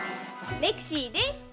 レクシーです！